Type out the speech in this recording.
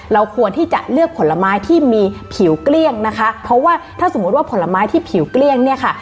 เราควรที่จะเลือกผลไม้ที่มีผิวเกลี้ยงนะคะเพราะว่าถ้าสมมุติว่าผลไม้ที่ผิวเกลี้ยงเนี่ยค่ะ